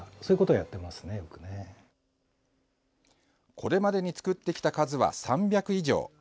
これまでに作ってきた数は３００以上。